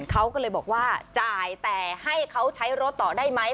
เขาก็เลยบอกว่าจ่ายแต่ให้เขาใช้รถต่อได้ไหม